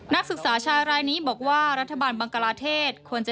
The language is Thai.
นักศึกษาชายรายนี้บอกว่ารัฐบาลบังกลาเทศควรจะ